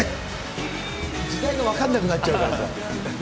時代が分からなくなっちゃうからさ。